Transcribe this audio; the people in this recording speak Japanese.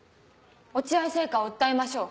落合製菓を訴えましょう。